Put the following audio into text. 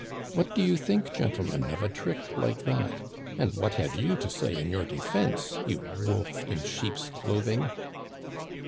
What do you think, gentlemen, of a trick like that ; and what have you to say in your defense, you wolf in sheep's clothing